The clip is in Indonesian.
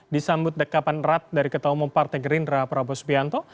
disambut dekapan erat dari ketua umum partai gerindra prabowo sbianto